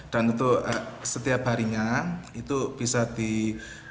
dan untuk setiap harinya itu bisa diukurkan